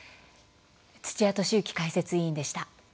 土屋敏之解説委員でした。